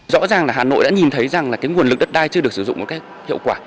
rõ ràng là hà nội đã nhìn thấy rằng là cái nguồn lực đất đai chưa được sử dụng một cách hiệu quả